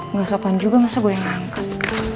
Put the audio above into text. nggak sopan juga masa gue yang ngangkat